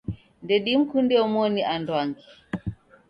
Ndedimkunde omoni anduangi.